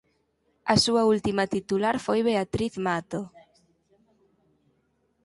A súa última titular foi Beatriz Mato.